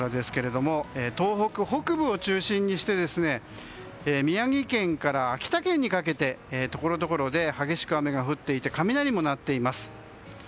東北北部を中心にして宮城県から秋田県にかけてところどころで激しく雨が降っていて雷も鳴っています。